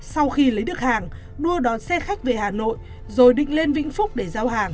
sau khi lấy được hàng đua đón xe khách về hà nội rồi định lên vĩnh phúc để giao hàng